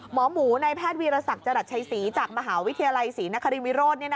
หมอหมูในแพทย์วีรศักดิ์จรัสชัยศรีจากมหาวิทยาลัยศรีนครินวิโรธ